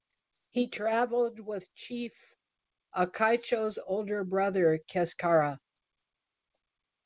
He travelled with Chief Akaitcho's older brother, Keskarrah.